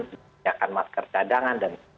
menjaga masker cadangan